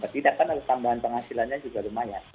tidak kan ada tambahan penghasilannya juga lumayan